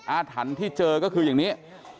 อาถรรพ์ที่เจอก็คืออย่างนี้